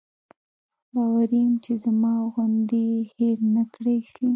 باوري یم چې زما غوندې یې هېر نکړای شي.